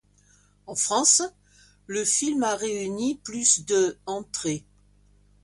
En France, le film a réuni plus de entrées.